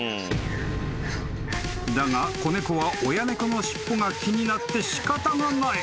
［だが子猫は親猫の尻尾が気になってしかたがない］